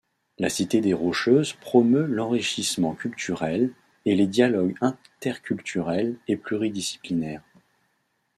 La Cité des Rocheuses promeut l'enrichissement culturel et les dialogues interculturels et pluridisciplinaires.